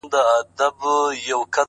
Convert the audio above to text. مثبت چلند فضا بدلوي